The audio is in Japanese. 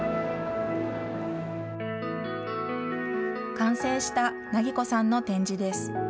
完成した梛子さんの展示です。